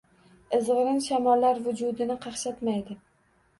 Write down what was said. Izg’irin shamollar vujudini qaqshatmaydi.